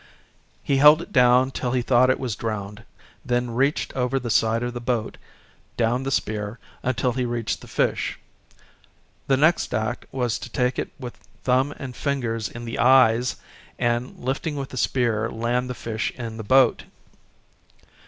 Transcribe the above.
He held it down till he thought it was drowned, then reached over the side of the boat, down the spear, until he reached the fish. The next act was to take it with thumb and fingers in the eyes and lifting with the spear land the fish in the boat.